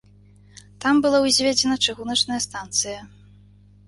Там была ўзведзена чыгуначная станцыя.